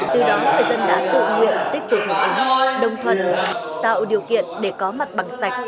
từ đó người dân đã tự nguyện tích cực đồng thuận tạo điều kiện để có mặt bằng sạch